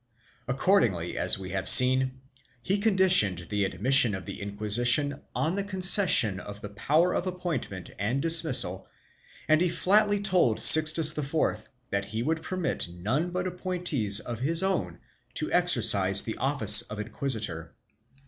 Accordingly, as we have seen, he conditioned the admission of the Inquisition on the concession of the power of appointment and dismissal and he flatly told Sixtus IV that he would permit none but appointees of his own to exercise the office of inquisitor.